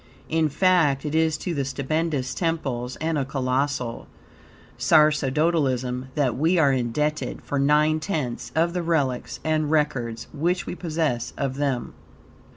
In fact, it is to the stupendous temples and a colossal sacerdotalism, that, we are indebted for nine tenths of the relics and records which we possess of them.